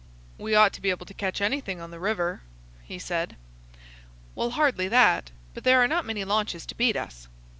"We ought to be able to catch anything on the river," he said. "Well, hardly that. But there are not many launches to beat us."